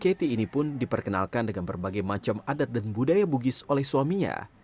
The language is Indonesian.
jati ini pun diperkenalkan dengan berbagai macam adat dan budaya bugis oleh suaminya